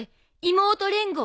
妹連合？